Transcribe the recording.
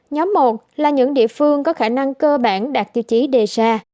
nhóm một là những địa phương có khả năng cơ bản đạt tiêu chí đề ra